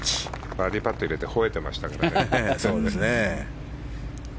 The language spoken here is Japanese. バーディーパット終えてほえてましたからね。